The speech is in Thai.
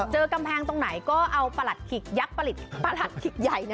เจอกำแพงตรงไหนก็เอาประหลัดขิกยักษ์ประหลัดขิกใหญ่